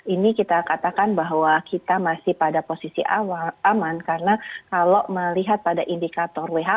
ini kita katakan bahwa kita masih pada posisi awal aman karena kalau melihat pada indikator who